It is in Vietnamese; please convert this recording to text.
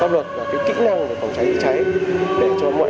lực lượng phòng cháy cháy công an huyện